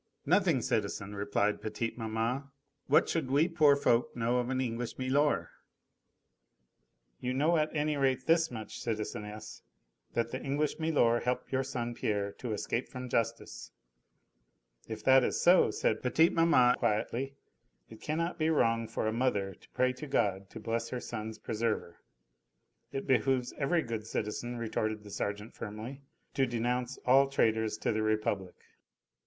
"Nothing, citizen," replied petite maman, "what should we poor folk know of an English milor?" "You know at any rate this much, citizeness, that the English milor helped your son Pierre to escape from justice." "If that is so," said petite maman quietly, "it cannot be wrong for a mother to pray to God to bless her son's preserver." "It behooves every good citizen," retorted the sergeant firmly, "to denounce all traitors to the Republic."